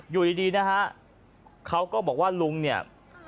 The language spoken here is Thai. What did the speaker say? อยู่ดีนะฮะเขาก็บอกว่าลุงเนี่ย